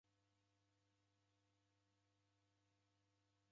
W'ana w'aw'enywa soda